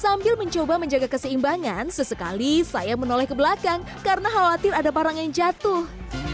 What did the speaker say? sambil mencoba menjaga keseimbangan sesekali saya menoleh ke belakang karena khawatir ada parang yang jatuh